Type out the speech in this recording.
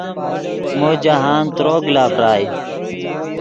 مو جاہند تروگ لا ڤرائے